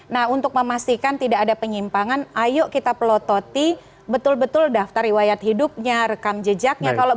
nah untuk memastikan tidak ada penyimpangan ayo kita pelototi betul betul daftar riwayat hidupnya rekam jejaknya